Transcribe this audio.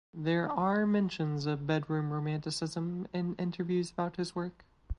There are mentions of bedroom romanticism in interviews about his work.